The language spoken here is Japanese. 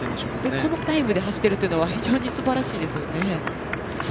このタイムで走っているというのは非常にすばらしいですね。